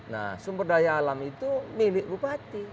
nah sumber daya alam itu milik bupati